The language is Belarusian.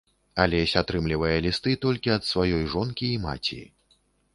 Алесь атрымлівае лісты толькі ад сваёй жонкі і маці.